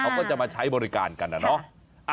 เขาก็จะมาใช้บริการกันนะเนาะ